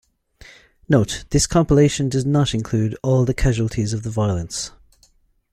"Note: This compilation does not include all the casualties of the violence.